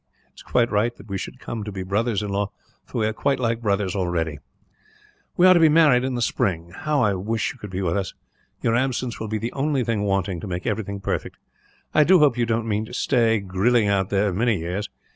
It is quite right that we should come to be brothers in law, for we are quite like brothers, already. "We are to be married in the spring. How I wish you could be with us. Your absence will be the only thing wanting, to make everything perfect. I do hope you don't mean to stay, grilling out there, many years.